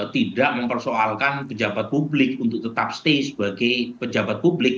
tidak mempersoalkan pejabat publik untuk tetap stay sebagai pejabat publik